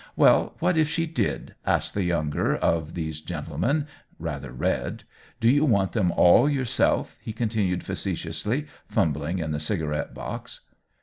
" Well, what if she did ?" asked the younger of these gentlemen, rather red. " Do you want them all yourself ?" he con tinued, facetiously, fumbling in the cigarette box.